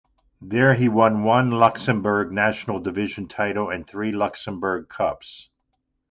There he won one Luxembourg National Division title and three Luxembourg Cups.